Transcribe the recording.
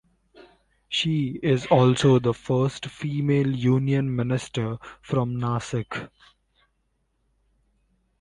She is also the first female union minister from Nashik.